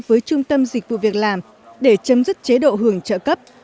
với trung tâm dịch vụ việc làm để chấm dứt chế độ hưởng trợ cấp